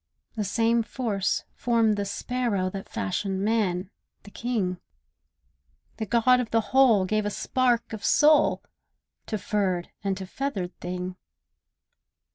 The same Force formed the sparrow That fashioned man, the king; The God of the Whole gave a spark of soul To furred and to feathered thing.